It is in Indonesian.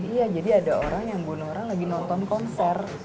ya jadi ada orang yang membunuh orang lagi nonton konser